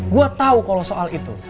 gua tau kalo soal itu